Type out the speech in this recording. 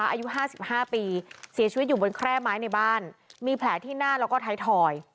อายุ๕๕ปีเสียชีวิตอยู่บนแคร่ไม้ในบ้านมีแผลที่หน้าแล้วก็ไทยทอย